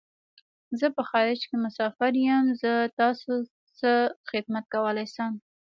زه په خارج کی مسافر یم . زه تاسو څه خدمت کولای شم